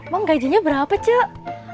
mam gajinya berapa cik